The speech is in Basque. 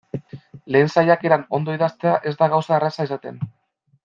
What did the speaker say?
Lehen saiakeran ondo idaztea ez da gauza erraza izaten.